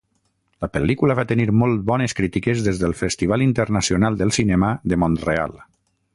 La pel·lícula va tenir molt bones crítiques des del Festival Internacional del Cinema de Mont-real.